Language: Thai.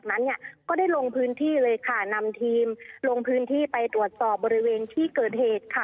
นั้นเนี่ยก็ได้ลงพื้นที่เลยค่ะนำทีมลงพื้นที่ไปตรวจสอบบริเวณที่เกิดเหตุค่ะ